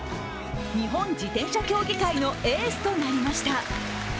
日本自転車競技界のエースとなりました。